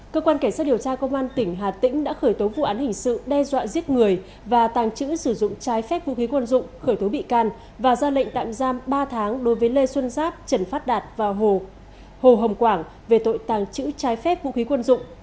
cơ quan cảnh sát điều tra công an tỉnh hà tĩnh đã khởi tố vụ án hình sự đe dọa giết người và tàng trữ sử dụng trái phép vũ khí quân dụng khởi tố bị can và ra lệnh tạm giam ba tháng đối với lê xuân giáp trần phát đạt và hồ hồng quảng về tội tàng trữ trái phép vũ khí quân dụng